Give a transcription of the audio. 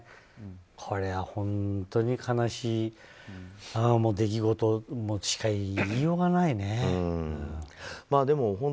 これは本当に悲しい出来事としか言いようがないね。